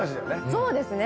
そうですね。